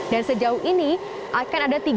dan sejauh ini kita sudah menemukan terminal tiga